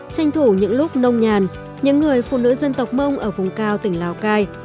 tranh thủ những lúc nông nhàn những người phụ nữ dân tộc mông ở vùng cao tỉnh lào cai